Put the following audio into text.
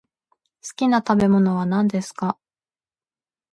好きな食べ物は何ですか。